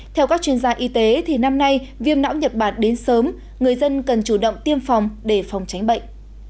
theo các chuyên gia y tế thì năm nay viêm não nhật bản đến sớm người dân cần chủ động tiêm phòng để phòng tránh bệnh